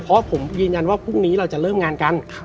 เพราะผมยืนยันว่าพรุ่งนี้เราจะเริ่มงานกัน